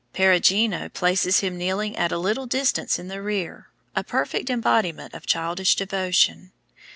Perugino places him kneeling at a little distance in the rear, a perfect embodiment of childish devotion.